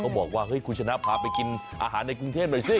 บอกว่าเฮ้ยคุณชนะพาไปกินอาหารในกรุงเทพหน่อยสิ